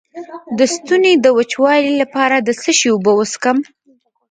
د ستوني د وچوالي لپاره د څه شي اوبه وڅښم؟